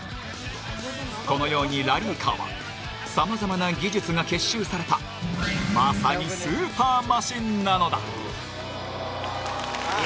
このように、ラリーカーは様々な技術が結集されたまさにスーパーマシンなのだ。